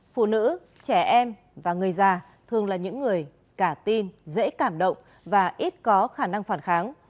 phụ nữ trẻ em và người già thường là những người cả tin dễ cảm động và ít có khả năng phản kháng